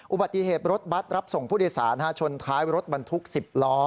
อุบัติเหตุรถบัตรรับส่งผู้โดยสารชนท้ายรถบรรทุก๑๐ล้อ